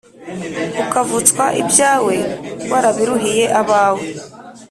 Ukavutswa ibyawe warabiruhiye Abawe